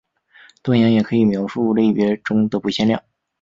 断言也可以描述类别中的不变量。